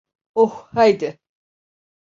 Oh, haydi.